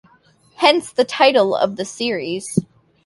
Hence the title of the series.